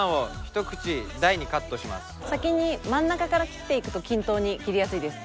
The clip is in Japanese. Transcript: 先に真ん中から切っていくと均等に切りやすいです。